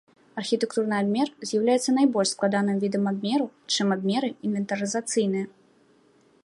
Архітэктурны абмер з'яўляецца найбольш складаным відам абмераў, чым абмеры інвентарызацыйныя.